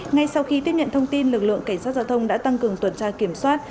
ngay sau khi tiếp nhận thông tin lực lượng cảnh sát giao thông đã tăng cường tuần tra kiểm soát